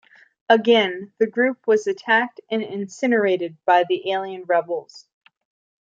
Again, the group was attacked and incinerated by the alien rebels.